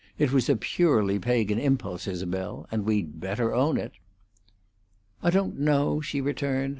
It was a purely Pagan impulse, Isabel, and we'd better own it." "I don't know," she returned.